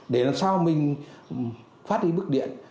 để làm sao mình phát đi bức điện